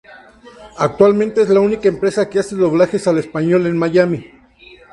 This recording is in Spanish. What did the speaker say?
Actualmente es la única empresa que hace doblajes al español en Miami.